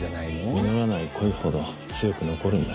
実らない恋ほど強く残るんだよ。